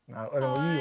いいよ。